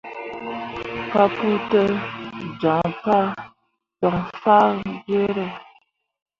Papou te joŋ fah gwǝǝre.